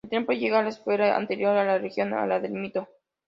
El templo lleva a la esfera anterior a la religión, a la del mito.